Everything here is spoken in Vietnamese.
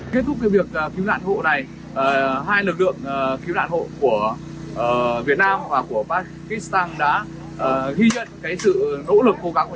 kết thúc việc cứu nạn hộ này hai lực lượng cứu nạn hộ của